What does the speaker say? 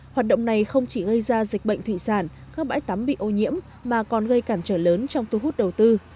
hoạt động này không chỉ gây ra dịch bệnh thủy sản các bãi tắm bị ô nhiễm mà còn gây cản trở lớn trong thu hút đầu tư